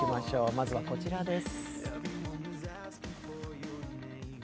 まずはこちらです。